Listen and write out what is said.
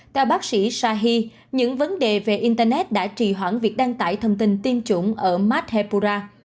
theo bác sĩ shahi những vấn đề về internet đã trì hoãn việc đăng tải thông tin tiêm chủng ở madhepura